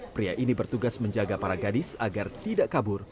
pria ini bertugas menjaga para gadis agar tidak kabur